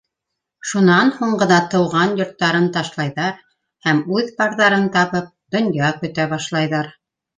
Шунан һуң ғына тыуған йортон ташлайҙар һәм үҙ парҙарын табып, донъя көтә башлайҙар.